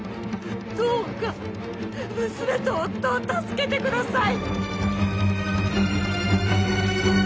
どうか娘と夫を助けてください！